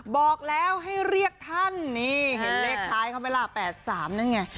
บอกแล้วให้เรียกท่านนี่เห็นเลขท้ายเขาไหมล่ะ๘๓นั่นไง